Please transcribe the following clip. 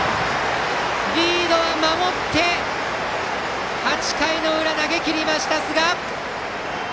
リードを守って、８回の裏投げきりました寿賀！